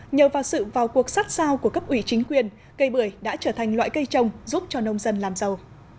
nhờ vào sự vào cuộc sát sao của cấp ủy chính quyền cây bưởi đã trở thành loại cây trồng giúp cho nông dân làm giàu